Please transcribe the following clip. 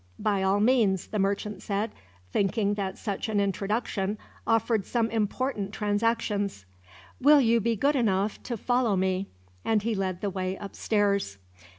"By all means," the merchant said, thinking that such an introduction offered some important transactions. "Will you be good enough to follow me?" and he led the way upstairs.